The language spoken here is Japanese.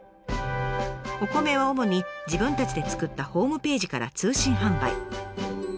お米は主に自分たちで作ったホームページから通信販売。